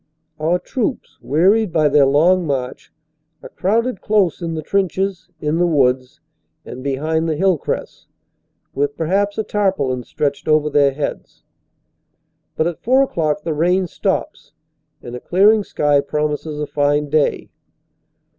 Our troops, wearied by their long march, are crowded close in the trenches, in the woods, and behind the hill crests, with perhaps a tarpaulin stretched over their heads. But at four o clock the rain stops and a clearing sky promises a fine day.